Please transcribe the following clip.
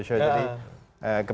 show jadi keperbimbangan